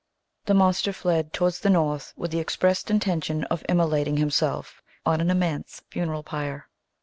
The monster fled towards the north with the expressed intention of immolating himself on an immense funeral pyre.